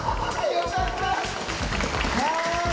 よかった！